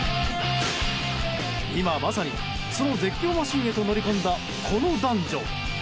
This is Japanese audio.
今まさに、その絶叫マシンへと乗り込んだ、この男女。